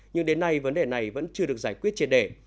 nhưng đến nay vấn đề này vẫn chưa được giải quyết triệt đề